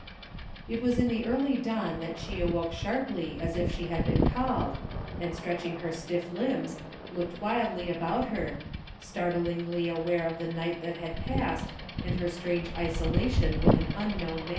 It was in the early dawn that she awoke sharply as if she had been called, and stretching her stiff limbs looked wildly about her, startlingly aware of the night that had passed and her strange isolation with an unknown man.